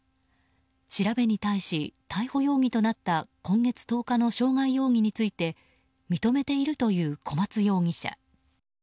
調べに対し、逮捕容疑となった今月１０日の傷害容疑について認めているという小松容疑者。